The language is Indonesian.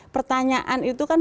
pertanyaan itu kan